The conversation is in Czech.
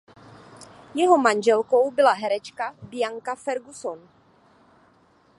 Jeho manželkou byla herečka Bianca Ferguson.